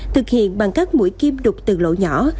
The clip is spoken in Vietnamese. thực hiện bằng các mũi kim đục từ lỗ nhỏ